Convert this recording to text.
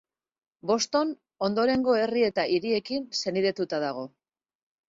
Boston ondorengo herri eta hiriekin senidetuta dago.